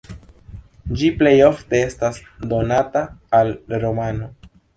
Ĝi plej ofte estas donata al romano.